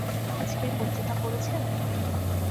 আজকের পত্রিকা পড়েছেন?